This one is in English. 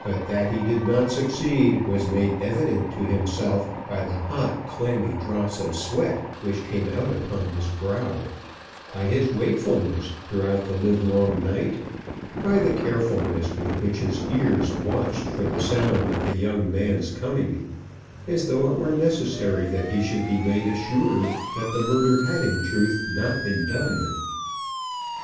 But that he did not succeed was made evident to himself by the hot clammy drops of sweat which came out upon his brow, by his wakefulness throughout the livelong night, by the carefulness with which his ears watched for the sound of the young man's coming, as though it were necessary that he should be made assured that the murder had in truth not been done.